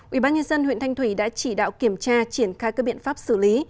ubnd huyện thanh thủy đã chỉ đạo kiểm tra triển khai các biện pháp xử lý